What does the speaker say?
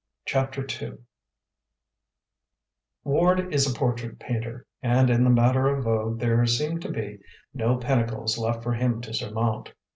CHAPTER II Ward is a portrait painter, and in the matter of vogue there seem to be no pinnacles left for him to surmount.